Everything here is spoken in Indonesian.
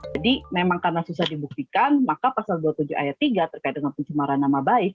jadi memang karena susah dibuktikan maka pasal dua puluh tujuh ayat tiga terkait dengan pencemaran nama baik